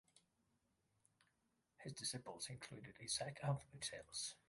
His disciples included Isaac of the Cells.